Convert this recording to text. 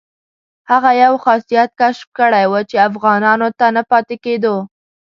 هغه یو خاصیت کشف کړی وو چې افغانانو ته نه پاتې کېدو.